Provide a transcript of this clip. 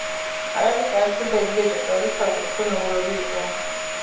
აკაკი წერეთელი და ილია ჭავჭავაძე საუკეთესო მეგობრები იყვნენ